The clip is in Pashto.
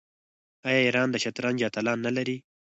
آیا ایران د شطرنج اتلان نلري؟